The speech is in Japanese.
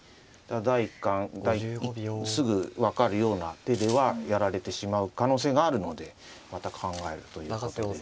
第一感すぐ分かるような手ではやられてしまう可能性があるのでまた考えるということです。